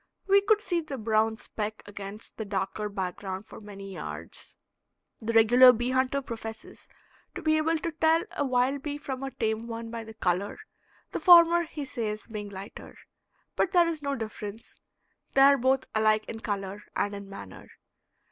We could see the brown speck against the darker background for many yards. The regular bee hunter professes to be able to tell a wild bee from a tame one by the color, the former, he says, being lighter. But there is no difference; they are both alike in color and in manner.